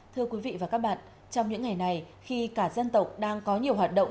thưa quý vị và các bạn trong những ngày này khi cả dân tộc đang có nhiều hoạt động